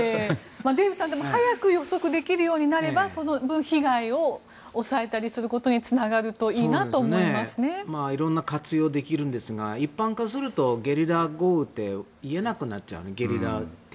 デーブさん早く予測できるようになればその分、被害を抑えたりすることにいろいろ活用できるんですが一般化するとゲリラ豪雨って言えなくなりますよね。